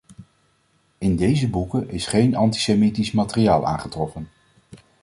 In deze boeken is geen antisemitisch materiaal aangetroffen.